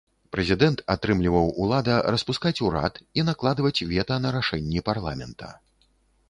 Прэзідэнт атрымліваў ўлада распускаць урад і накладаць вета на рашэнні парламента.